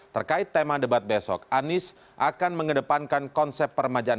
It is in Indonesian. terkait tema debat besok anies akan mengedepankan konsep permajaan